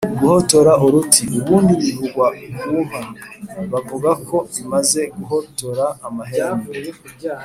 guhotora uruti: ubundi bivugwa ku nka, bavuga ko imaze guhotora amahembe